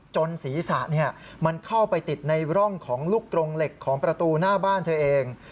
ศีรษะมันเข้าไปติดในร่องของลูกกรงเหล็กของประตูหน้าบ้านเธอเอง